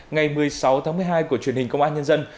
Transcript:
ngày một mươi sáu tháng một mươi hai của truyền hình công an nhân dân